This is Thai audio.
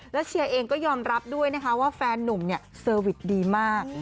และเชียร์เองก็ยอมรับด้วยนะคะว่าแฟนหนุ่มเซอร์วิทย์ดีมาก